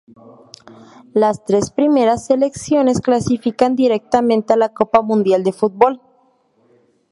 Las tres primeras selecciones clasifican directamente a la Copa Mundial de Fútbol.